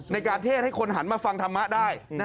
เทศให้คนหันมาฟังธรรมะได้